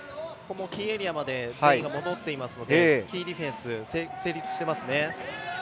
キーエリアまで全員が戻ってますのでキーディフェンス成立してます。